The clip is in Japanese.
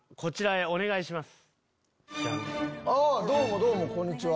どうもどうもこんにちは。